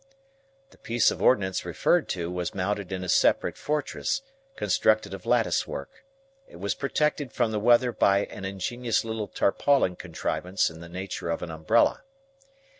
The piece of ordnance referred to, was mounted in a separate fortress, constructed of lattice work. It was protected from the weather by an ingenious little tarpaulin contrivance in the nature of an umbrella.